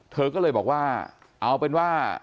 เธอก็เลยบอกว่าเอาเป็นว่า